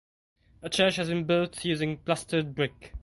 The church has been built using plastered brick.